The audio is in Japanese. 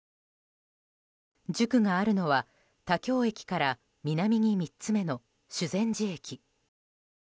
塾があるのは、田京駅から南に３つ目の修善寺駅。